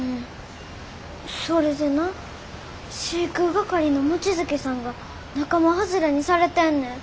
それでな飼育係の望月さんが仲間外れにされてんねん。